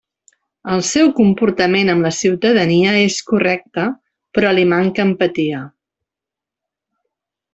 El seu comportament amb la ciutadania és correcte però li manca empatia.